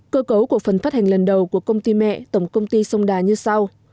cơ cấu của phần phát hành lần đầu của công ty mẹ tổng công ty sông đà như sau